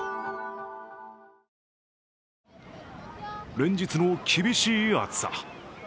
連日の厳しい暑さ。